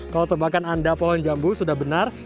kalau tebakan anda pohon jambu sudah benar